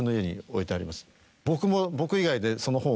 僕も。